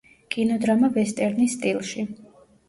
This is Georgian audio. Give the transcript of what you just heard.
კინოდრამა ვესტერნის სტილში.